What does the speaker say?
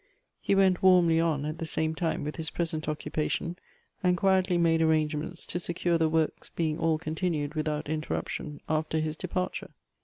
He went warmly on, at the same time, with his pres ent occupation, and quietly made arrangements to secui e the works being all continued without interruption after his departure.